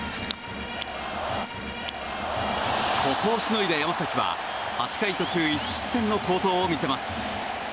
ここをしのいだ山崎は８回途中１失点の好投を見せます。